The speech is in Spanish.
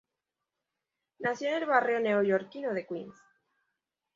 Nació en el barrio neoyorquino de Queens.